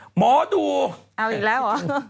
หมอดูเอาอีกแล้วเหรอ